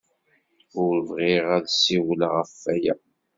Ur bɣiɣ ad d-ssiwleɣ ɣef waya.